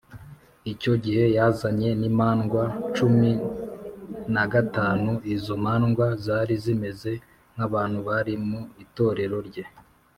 Icyo gihe yazanye n’imandwa cumin a gatanu, izo mandwa zari zimeze nk’abantu bari mu itorerero rye.